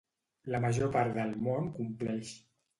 La major part del món compleix.